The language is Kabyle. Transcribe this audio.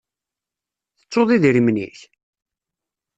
Tettuḍ idrimen-ik?